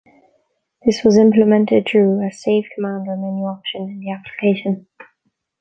This was implemented through a "save" command or menu option in the application.